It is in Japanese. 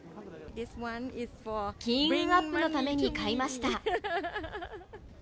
金運アップのために買いました。